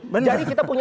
bener kita punya